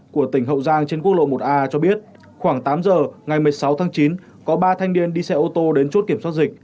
của tỉnh hậu giang trên quốc lộ một a cho biết khoảng tám giờ ngày một mươi sáu tháng chín có ba thanh niên đi xe ô tô đến chốt kiểm soát dịch